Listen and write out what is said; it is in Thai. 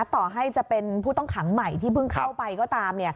ต่อให้จะเป็นผู้ต้องขังใหม่ที่เพิ่งเข้าไปก็ตาม